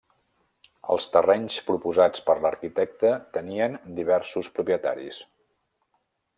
Els terrenys proposats per l'arquitecte tenien diversos propietaris.